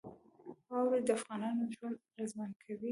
اوړي د افغانانو ژوند اغېزمن کوي.